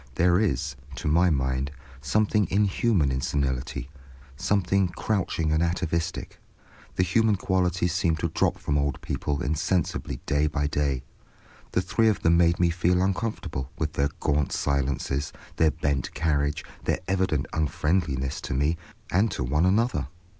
There is, to my mind, something inhuman in senility, something crouching and atavistic; the human qualities seem to drop from old people insensibly day by day. The three of them made me feel uncomfortable with their gaunt silences, their bent carriage, their evident unfriendliness to me and to one another.